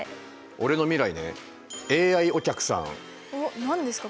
俺の未来ねおっ何ですか？